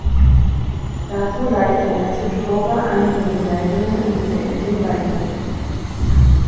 Dazu leitet der Message Broker eingehende Meldungen an diese Engine weiter.